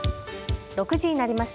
６時になりました。